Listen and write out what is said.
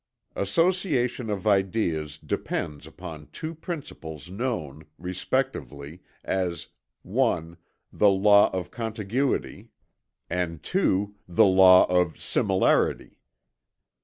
Association of ideas depends upon two principles known, respectively, as (1) the law of contiguity; and (2) the law of similarity.